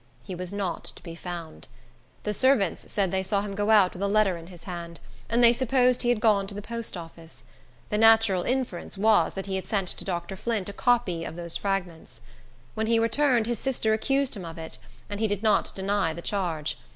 He was not to be found. The servants said they saw him go out with a letter in his hand, and they supposed he had gone to the post office. The natural inference was, that he had sent to Dr. Flint a copy of those fragments. When he returned, his sister accused him of it, and he did not deny the charge.